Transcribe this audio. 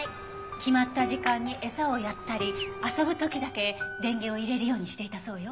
決まった時間に餌をやったり遊ぶ時だけ電源を入れるようにしていたそうよ。